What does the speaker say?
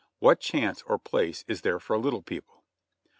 What chance or place is there for little people?